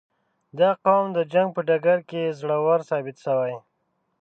• دا قوم د جنګ په ډګر کې زړور ثابت شوی.